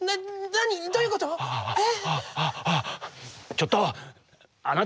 ちょっと！